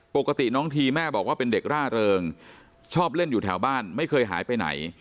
ปกติน้องทีแม่บอกว่าเป็นเด็กร่าเริงชอบเล่นอยู่แถวบ้านไม่เคยหายไปไหน